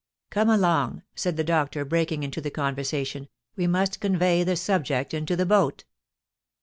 "Come along," said the doctor, breaking into the conversation; "we must convey the subject into the boat."